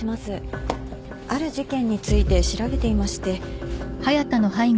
ある事件について調べていまして。